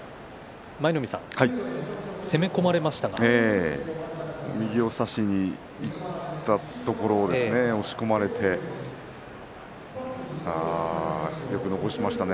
舞の海さん右を差しにいったところを押し込まれてよく残しましたね。